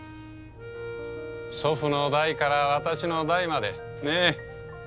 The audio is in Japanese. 祖父の代から私の代までねえ。